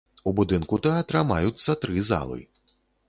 У будынку тэатра маюцца тры залы.